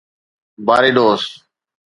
Barbados